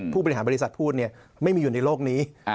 ผู้บริหารบริษัทพูดไม่มีอยู่ในโลกนี้